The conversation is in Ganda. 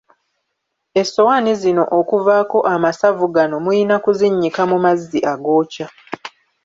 Essowaani zino okuvaako amasavu gano muyina kuzinnyika mu mazzi agookya.